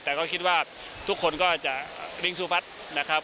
แต่ก็คิดว่าทุกคนก็จะวิ่งสู้ฟัดนะครับ